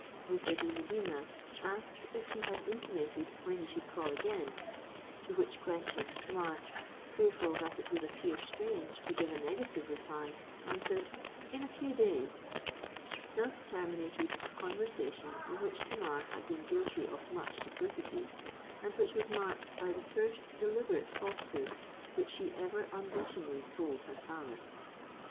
Mr. de Medina asked if he had intimated when he should call again; to which question Tamar, fearful that it would appear strange to give a negative reply, answered—"In a few days." Thus terminated a conversation in which Tamar had been guilty of much duplicity, and which was marked by the first deliberate falsehood which she ever unblushingly told her father.